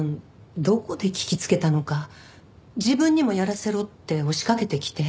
どこで聞きつけたのか「自分にもやらせろ」って押しかけてきて。